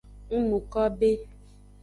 Ng nu ko be.